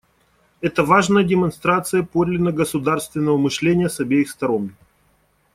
Это важная демонстрация подлинно государственного мышления с обеих сторон.